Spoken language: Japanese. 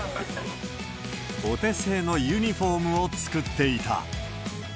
お手製のユニホームを作っていた。